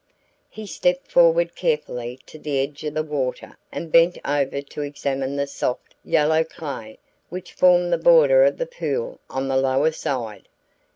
He stepped forward carefully to the edge of the water and bent over to examine the soft, yellow clay which formed the border of the pool on the lower side.